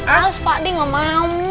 harus pakde gak mau